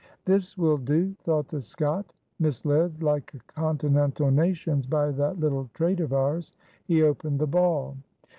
"This will do," thought the Scot, misled like continental nations by that little trait of ours; he opened the ball.